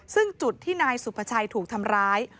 ซึ่งจุดที่นายสุภาชัยถูกทำร้าย